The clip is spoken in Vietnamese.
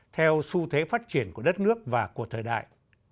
theo xu thế phát triển của đất nước và của thời đại